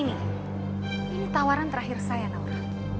ini tawaran terakhir saya namanya